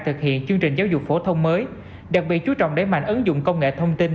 thực hiện chương trình giáo dục phổ thông mới đặc biệt chú trọng đẩy mạnh ứng dụng công nghệ thông tin